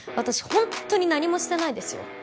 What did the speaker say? ホントに何もしてないですよ